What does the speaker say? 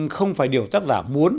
không phải điều tác giả muốn